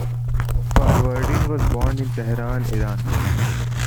Farvardin was born in Tehran, Iran.